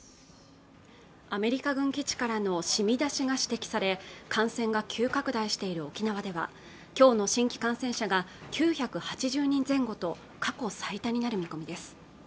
アメリカ軍基地からの染み出しが指摘され感染が急拡大している沖縄では今日の新規感染者が９８０人前後と過去最多になる見込みです